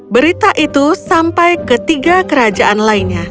berita itu sampai ke tiga kerajaan lainnya